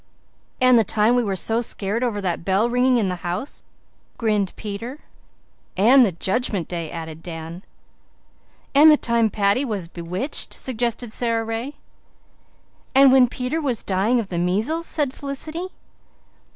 "And the time we were so scared over that bell ringing in the house," grinned Peter. "And the Judgment Day," added Dan. "And the time Paddy was bewitched," suggested Sara Ray. "And when Peter was dying of the measles," said Felicity.